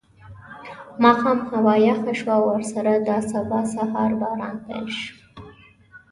ماښام هوا یخه شوه او ورسره په دا سبا سهار باران پیل شو.